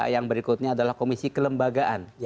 yang berikutnya adalah komisi kelembagaan